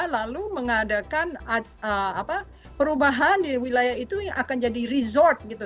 lalu mengadakan perubahan di wilayah itu yang akan jadi resort gitu